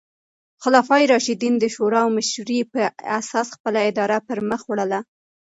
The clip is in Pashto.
خلفای راشدین د شورا او مشورې په اساس خپله اداره پر مخ وړله.